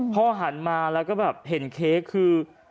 หันมาแล้วก็แบบเห็นเค้กคือ